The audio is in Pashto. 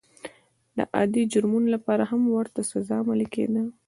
د عادي جرمونو لپاره هم ورته سزا عملي کېده.